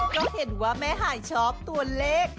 ก็เห็นว่าแม่หายชอบตัวเลข